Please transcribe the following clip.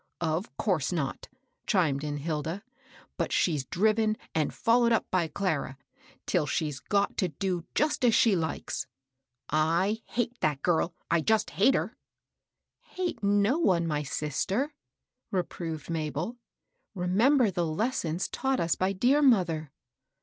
" Of course not," chimed in Hilda. " But she's driven and followed up by Clara, till she's got to do just as she likes. I hate that girl I I just hate her I " "Hate no one, my sister,'* reproved Mabel. '^ Remember the lessons taught us by dear mother."